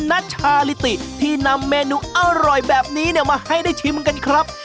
นัชชาลิติที่นำเมนูอร่อยแบบนี้เนี่ยมาให้ได้ชิมกันครับ